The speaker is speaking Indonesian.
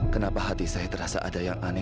mereka tinggal tempat saya sofa aku